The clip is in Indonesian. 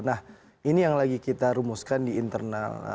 nah ini yang lagi kita rumuskan di internal